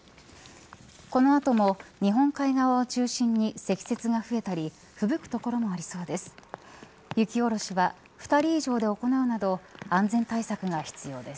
このあとも日本海側を中心に積雪が増えたりふぶくところもありそうです。